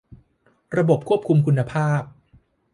ระบบควบคุมคุณภาพ